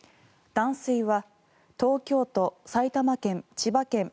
断水は東京都、埼玉県、千葉県